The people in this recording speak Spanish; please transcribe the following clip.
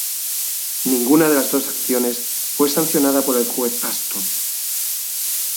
Ninguna de las dos acciones fue sancionada por el juez Aston.